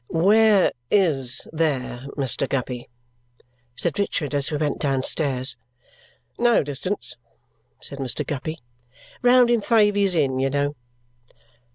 "Where IS 'there,' Mr. Guppy?" said Richard as we went downstairs. "No distance," said Mr. Guppy; "round in Thavies Inn, you know."